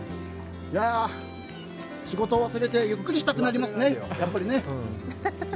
仕事を忘れてゆっくりしたくなりますね。